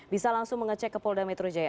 bisa langsung mengecek ke polda metro jaya